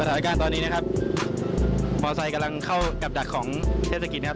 สถานการณ์ตอนนี้นะครับมอไซค์กำลังเข้ากลับดักของเทศกิจนะครับ